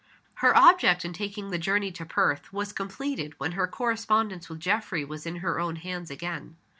Her object in taking the journey to Perth was completed when her correspondence with Geoffrey was in her own hands again.